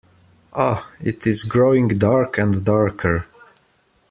Ah, it is growing dark and darker.